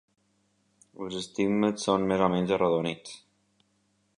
Els estigmes són més o menys arrodonits.